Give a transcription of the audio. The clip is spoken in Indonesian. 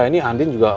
ini andien juga